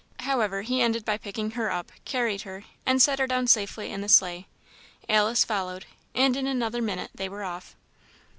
However, he ended by picking her up, carried her, and set her down safely in the sleigh. Alice followed, and in another minute they were off.